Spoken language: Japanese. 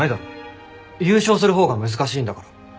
優勝する方が難しいんだから。